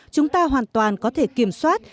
chúng ta hoàn toàn có thể kiểm soát